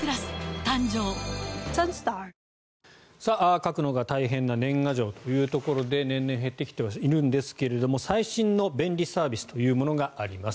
書くのが大変な年賀状というところで年々減ってきてはいるんですが最新の便利サービスというものがあります。